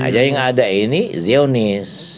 jadi yang ada ini zionis